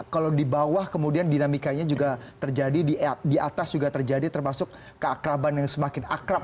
kalau di bawah kemudian dinamikanya juga terjadi di atas juga terjadi termasuk keakraban yang semakin akrab